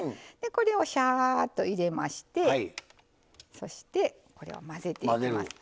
これをしゃっと入れましてそしてこれを混ぜていきます。